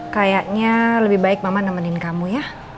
kayaknya lebih baik mama nemenin kamu ya